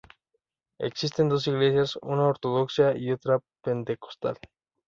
Existen dos iglesias: una ortodoxa y otra pentecostal.